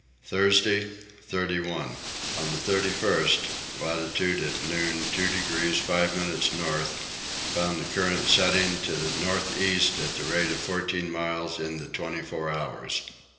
Thursday 31. On the 31st, latitude at noon 2 degrees 5 minutes north, found a current setting to the north east at the rate of fourteen miles in the twenty four hours.